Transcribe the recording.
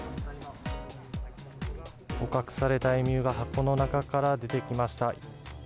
捕獲されたエミューが、箱の中から出てきました。